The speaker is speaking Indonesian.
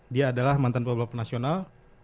dia adalah mantan pelabur nasional